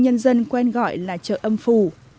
nhân dân quen gọi là chợ âm phù